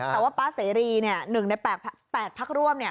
ค่ะแต่ว่าป้าเสรีเนี่ย๑ใน๘พักร่วมเนี่ย